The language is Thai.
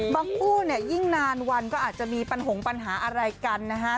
คู่เนี่ยยิ่งนานวันก็อาจจะมีปัญหาอะไรกันนะฮะ